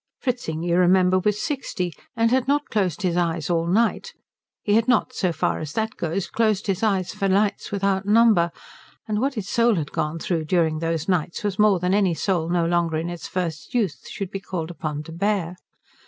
Fritzing, you remember, was sixty, and had not closed his eyes all night. He had not, so far as that goes, closed his eyes for nights without number; and what his soul had gone through during those nights was more than any soul no longer in its first youth should be called upon to bear.